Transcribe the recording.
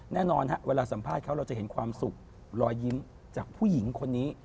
แน่นอนฮะเวลาสัมภาษณ์เขาเราจะเห็นความสุขรอยยิ้มจากผู้หญิงคนนี้